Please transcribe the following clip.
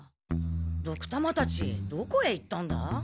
ドクたまたちどこへ行ったんだ？